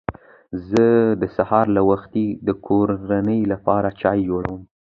زه د سهار له وخته د کورنۍ لپاره چای جوړوم